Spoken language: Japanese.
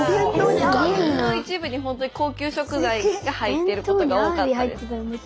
食の一部にほんとに高級食材が入ってることが多かったです。